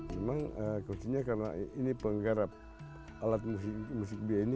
memang kuncinya karena ini penggarap alat musik bia ini